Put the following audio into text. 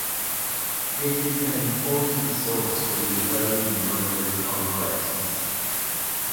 It is an important source for the early Muslim conquests.